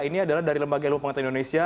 ini adalah dari lembaga ilmu pengetatan indonesia